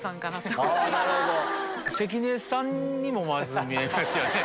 関根さんにも見えますよね。